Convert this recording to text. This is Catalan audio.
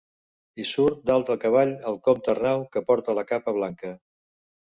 I surt dalt de cavall el comte Arnau, que porta la capa blanca.